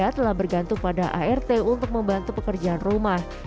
telah bergantung pada art untuk membantu pekerjaan rumah